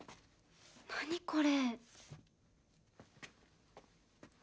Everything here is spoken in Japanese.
何これ。